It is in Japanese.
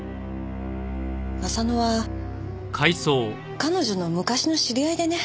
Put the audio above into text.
浅野は彼女の昔の知り合いでね。